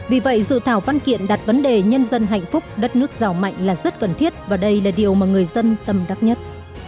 vì vậy dự thảo văn kiện đặt vấn đề nhân dân hạnh phúc đất nước giàu mạnh là rất cần thiết và đây là điều mà người dân tâm đắc nhất